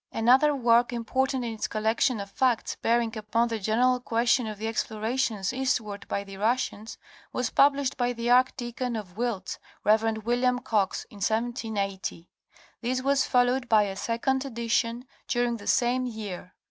Another work im portant in its collection of facts bearing upon the general question of the explorations eastward by the Russians, was published by the arch deacon of Wilts, Rev. William Coxe in 1780. This was followed by a second edition during the same year.